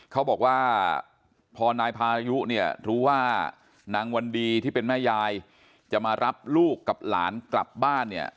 เขาบอกว่าพอนายพายุเนี่ยรู้ว่านางวันดีที่เป็นแม่ยายจะมารับลูกกับหลานกลับบ้านเนี่ย